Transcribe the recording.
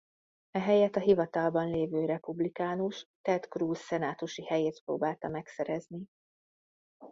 Ehelyett a hivatalban levő republikánus Ted Cruz szenátusi helyét próbálta megszerezni.